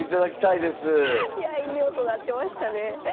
いやいい音鳴ってましたね